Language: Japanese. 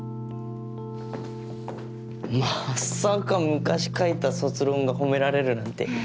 まさか昔書いた卒論が褒められるなんて。